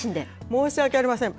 申し訳ありません。